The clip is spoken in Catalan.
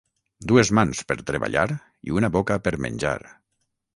Dues mans per treballar i una boca per menjar.